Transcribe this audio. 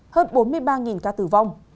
hơn bốn mươi ba ca tử vong